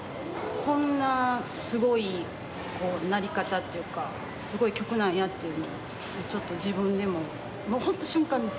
「こんなすごい鳴り方っていうかすごい曲なんや」っていうのをちょっと自分でももう本当瞬間ですけど。